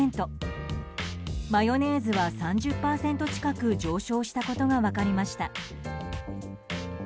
マヨネーズは３０％近く上昇したことが分かりました。